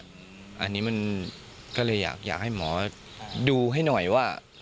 อันนี้มันก็เลยอยากให้หมอดูให้หน่อยว่า